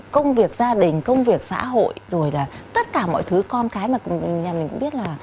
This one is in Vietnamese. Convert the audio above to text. công việc gia đình công việc xã hội rồi là tất cả mọi thứ con cái mà nhà mình cũng biết là